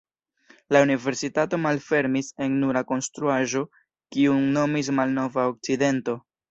La universitato malfermis en nura konstruaĵo, kiun nomis Malnova Okcidento.